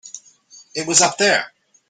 It was up there.